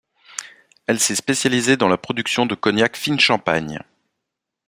Elle s’est spécialisée dans la production de cognacs Fine Champagne.